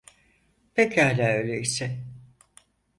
Pekâlâ öyleyse.